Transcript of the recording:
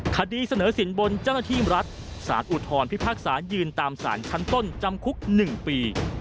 คดีเสนอสินบนเจ้าหน้าที่รัฐสารอุทธรพิพากษายืนตามสารชั้นต้นจำคุก๑ปี